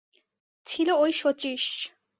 ছিল ঐ শচীশ।